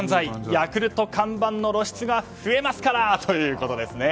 ヤクルト看板の露出が増えますから！ということですね。